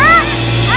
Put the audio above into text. ada orang ya